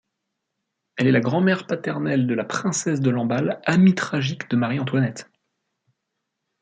Elle est la grand-mère paternelle de la Princesse de Lamballe, amie tragique de Marie-Antoinette.